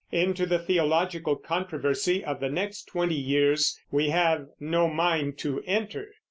Into the theological controversy of the next twenty years we have no mind to enter.